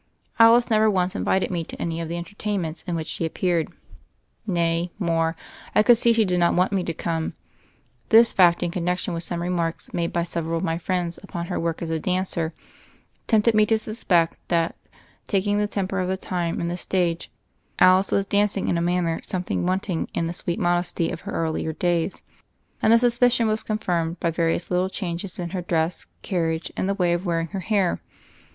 Alice never once invited me to any of the en tertainments in which she appeared. Nay, more : I could see she did not want me to come. This fact in connection with some remarks made by several of my friends upon her work as a dancer, tempted me to suspect that, taking the temper of the time and the stage, Alice was dancing in a manner something wanting in the sweet modesty of her earlier days; and the sus picion was confirmed by various little changes in her dress, carriage, and the way of wearing her hair.